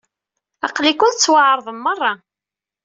Aql-iken tettwaɛreḍem merra.